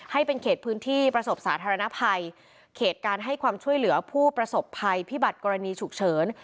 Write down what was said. ให้เป็นเขตพื้นที่ประสบสาธารณภัยเขตการให้ความช่วยเหลือผู้ประสบภัยพิบัติกรณีฉุกเฉิน